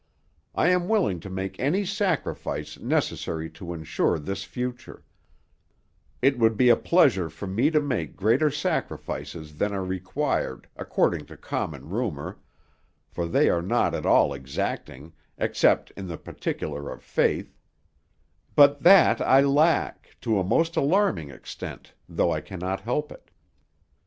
I am willing to make any sacrifice necessary to ensure this future; it would be a pleasure for me to make greater sacrifices than are required, according to common rumor, for they are not at all exacting, except in the particular of faith; but that I lack, to a most alarming extent, though I cannot help it.